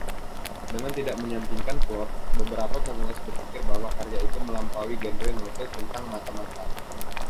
Dengan tidak menyampingkan plot, beberapa pengulas berpikir bahwa karya itu melampaui genre novel tentang mata-mata.